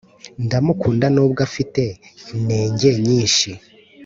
Ndamukunda nubwo afite intenge nyinshi